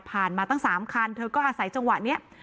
มาตั้ง๓คันเธอก็อาศัยจังหวะนี้